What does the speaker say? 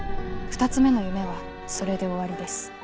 ２つ目の夢はそれで終わりです。